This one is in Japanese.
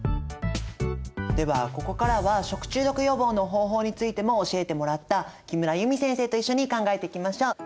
ではここからは食中毒予防の方法についても教えてもらった木村裕美先生と一緒に考えていきましょう。